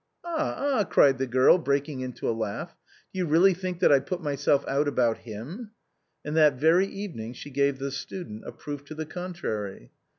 "Ah, ah !" cried the girl, breaking into a laugh. " Do you really think that I put m3^self out about him ?" And that very evening she gave the student a proof to the contrary.